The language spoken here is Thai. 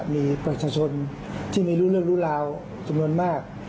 มีประชาชนที่ไม่รู้เรื่องรู้ราวจำนวนมาก